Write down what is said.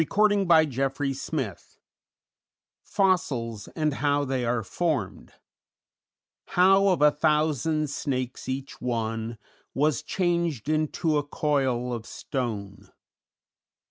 _ ANIMALS OF THE PAST I FOSSILS, AND HOW THEY ARE FORMED "_How of a thousand snakes each one Was changed into a coil of stone.